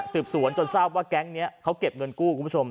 สืบสวนจนทราบว่าแก๊งนี้เขาเก็บเงินกู้คุณผู้ชม